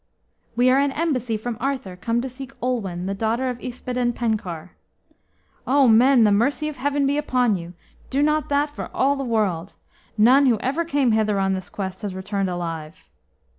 "We are an embassy from Arthur, come to seek Olwen, the daughter of Yspadaden Penkawr." "O men! the mercy of Heaven be upon you; do not that for all the world. None who ever came hither on this quest has returned alive."